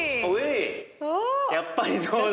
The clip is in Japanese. やっぱりそうだ。